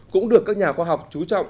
cũng được các nhà khoa học chú trọng